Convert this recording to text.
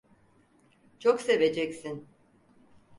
Çok seveceksin.